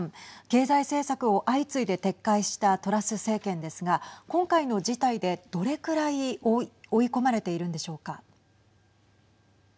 経済政策を相次いで撤回したトラス政権ですが今回の事態でどれくらい追い込まれているんでしょうか。